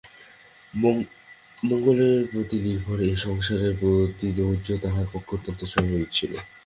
মঙ্গলের প্রতি নির্ভর এবং সংসারের প্রতি ধৈর্য তাঁহার পক্ষে অত্যন্ত স্বাভাবিক ছিল।